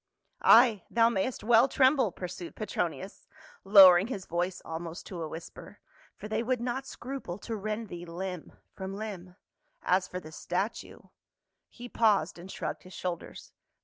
"Ay, thou mayst well tremble," pursued Petro nius, lowering his voice almost to a whisper, "for they would not scruple to rend thee limb from hmb ; as for the statue —" He paused and shrugged his shoulders.